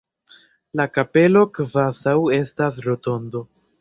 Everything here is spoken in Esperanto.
La kapelo kvazaŭ estas rotondo.